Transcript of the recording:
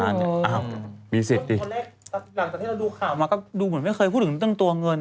อ้าวมีเสร็จดิคนเล็กหลังจากที่เราดูข่าวมาก็ดูเหมือนไม่เคยพูดถึงตรงตัวเงิน